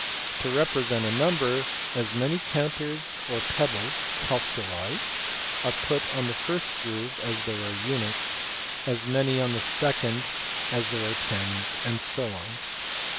To re present a number, as many counters or pebbles (calculi) are put on the first groove as there are units, as many on the second as there are tens, and so on.